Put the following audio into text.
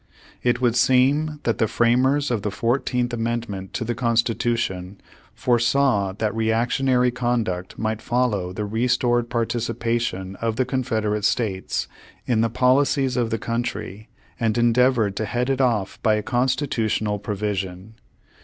It would seem that the framers of the Four teenth Amendment to the Constitution foresaw that reactionary conduct mJght follow the re stored participation of the Confederate States in the policies of the country and endeavored to head it off by a constitutional provision.